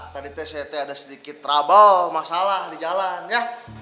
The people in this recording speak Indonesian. tadi tadi ada sedikit masalah di jalan ya